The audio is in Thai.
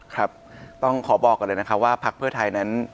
ครับต้องขอบอกก่อนเลยนะครับว่าพักเพื่อไทยนั้น